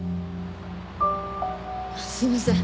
すいません。